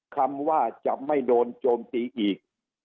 คำว่าจะไม่โดนโจมตีอีก